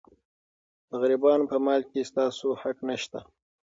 د غریبانو په مال کې ستاسو حق نشته.